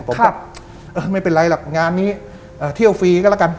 ผมแบบเออไม่เป็นไรหรอกงานนี้เที่ยวฟรีก็แล้วกัน